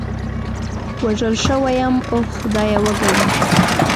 وژل شوی یم، اوه خدایه، وږی یم.